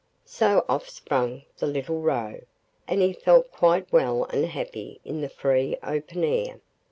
So off sprang the little Roe, and he felt quite well and happy in the free open air.